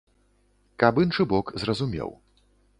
Каб іншы бок зразумеў.